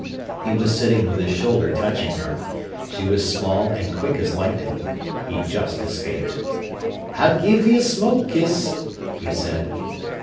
He was sitting with his shoulder touching her. She was small and quick as lightning. He just escaped. "I'll gi'e thee a smoke kiss," he said.